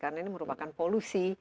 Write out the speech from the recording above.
karena ini merupakan polusi